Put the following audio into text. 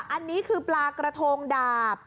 อันนี้คือปลากระทงดาบ